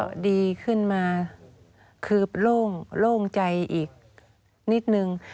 ก็ดีขึ้นมาคืบโล่งโล่งใจอีกนิดหนึ่ง